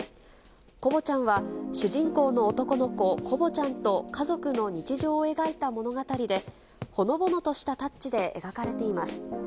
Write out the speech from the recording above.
コボちゃんは主人公の男の子、コボちゃんと家族の日常を描いた物語で、ほのぼのとしたタッチで描かれています。